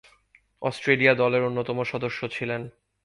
Australia দলের অন্যতম সদস্য ছিলেন।